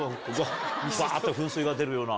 バっと噴水が出るような。